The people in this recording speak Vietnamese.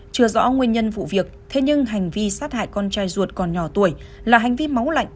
chưa rõ nguyên nhân vụ việc thế nhưng hành vi sát hại con trai ruột còn nhỏ tuổi là hành vi máu lạnh